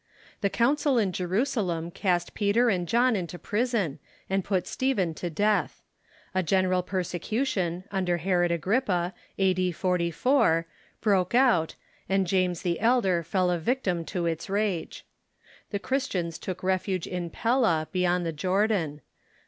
The council in Jerusalem cast Peter and John into prison, and put Stephen to death. A general persecution, under Herod Agrippa, a.d. 44, broke out, and James the Elder fell a victim to its rage. The Christians took refuge in Pella, beyond the Jordan.